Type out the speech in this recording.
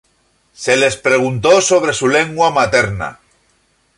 Se les preguntó sobre su lengua materna.